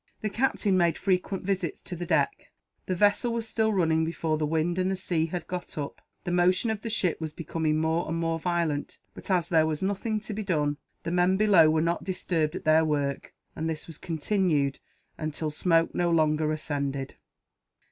The captain made frequent visits to the deck. The vessel was still running before the wind, and the sea had got up. The motion of the ship was becoming more and more violent but, as there was nothing to be done, the men below were not disturbed at their work, and this was continued until smoke no longer ascended.